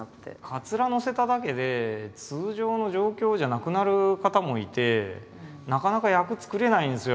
かつらのせただけで通常の状況じゃなくなる方もいてなかなか役作れないんですよ